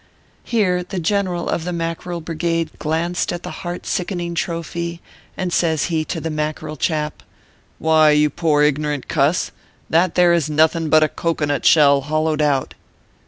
Here the General of the Mackerel Brigade glanced at the heart sickening trophy, and says he to the Mackerel chap :" Why, you poor ignorant cuss ! that there is nothing but a cocoanut sheli hollowed out."